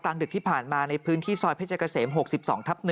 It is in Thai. ดึกที่ผ่านมาในพื้นที่ซอยเพชรเกษม๖๒ทับ๑